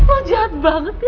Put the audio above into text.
oh jahat banget ya